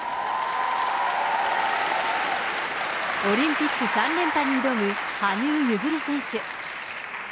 オリンピック３連覇に挑む羽生結弦選手。